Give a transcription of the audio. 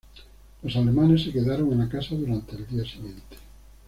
Los alemanes se quedaron en la casa durante el día siguiente.